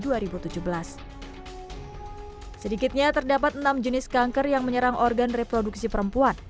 kanker cervix adalah kanker yang terkena kanker yang menyerang organ reproduksi perempuan